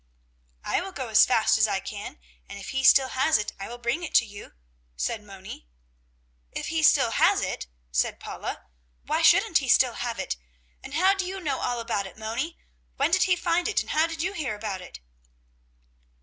"I will go as fast as I can, and if he still has it I will bring it to you," said Moni. "If he still has it?" said Paula. "Why shouldn't he still have it? And how do you know all about it, Moni? When did he find it, and how did you hear about it?"